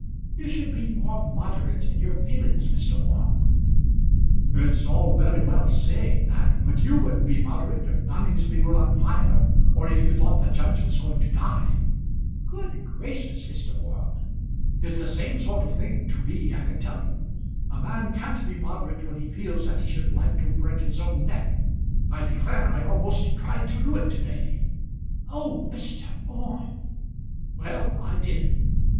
"You should be more moderate in your feelings, Mr. Orme." "It's all very well saying that; but you wouldn't be moderate if Noningsby were on fire, or if you thought the judge was going to die." "Good gracious, Mr. Orme!" "It's the same sort of thing to me, I can tell you. A man can't be moderate when he feels that he should like to break his own neck. I declare I almost tried to do it to day." "Oh, Mr. Orme!" "Well; I did.